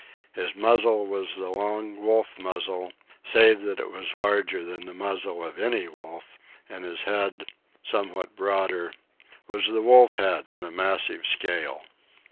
His muzzle was the long wolf muzzle, save that it was larger than the muzzle of any wolf; and his head, somewhat broader, was the wolf head on a massive scale.